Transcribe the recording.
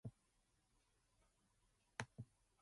Or must I have a fire lighted elsewhere?